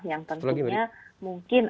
yang tentunya mungkin